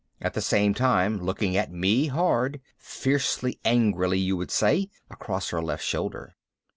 At the same time looking at me hard fiercely angrily, you'd say across her left shoulder.